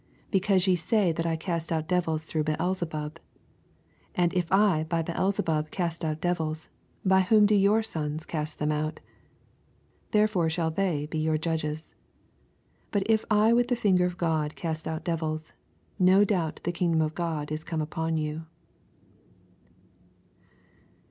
because ve sav that I cast out devils through Beelxebub. 19 And if 1 by Beelzebub cast out vfevils, by whom do your sons cast them out? therefore shall they be your judges. 20 But if I with the finger of God cast out devils, no doubt the kingdom of God is come upon you.